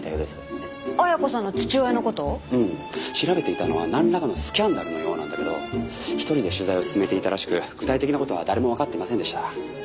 調べていたのはなんらかのスキャンダルのようなんだけど１人で取材を進めていたらしく具体的な事は誰もわかっていませんでした。